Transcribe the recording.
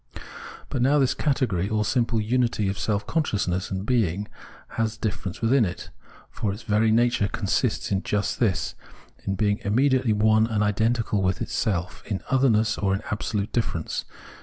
But now this category' , or simple imity of self con sciousness and being, has difference within it ; for its verv natiu'e consists just in this — in being immediately one and identical with itself in otherness or in absolute ditTerence.